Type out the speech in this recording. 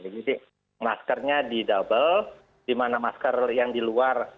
jadi maskernya di double di mana masker yang di luar